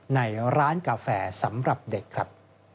ในร้านกาแฟสำหรับเด็กครับ